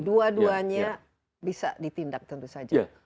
dua duanya bisa ditindak tentu saja